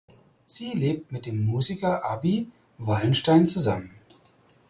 Sie lebt mit dem Musiker Abi Wallenstein zusammen.